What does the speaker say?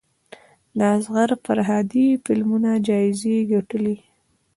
د اصغر فرهادي فلمونه جایزې ګټلي.